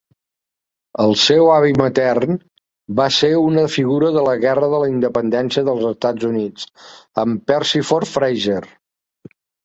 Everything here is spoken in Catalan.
El seu avi matern va ser una figura de la Guerra de la Independència dels Estats Units, en Persifor Frazer.